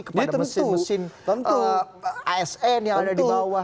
kepada mesin mesin asn yang di bawah